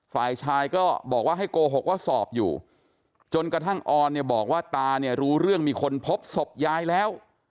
ฝ่ายชายก็บอกว่าให้โกหกว่าสอบอยู่จนกระทั่งออนเนี่ยบอกว่าตาเนี่ยรู้เรื่องมีคนพบศพยายแล้ว